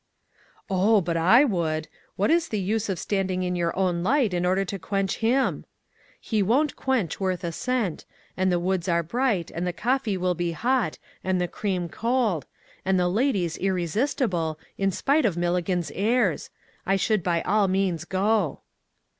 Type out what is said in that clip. " Oh ! but I would. What is the use of standing in your own light in order to quench him? He won't quench worth a cent, and the woods are bright, and the coffee will be hot, and the cream cold, and the ladies irre . sistible, in spite of Milligan's airs. I should by all means go."